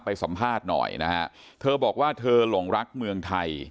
สัมภาษณ์หน่อยนะฮะเธอบอกว่าเธอหลงรักเมืองไทย